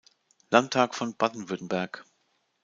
Landtag von Baden-Württemberg.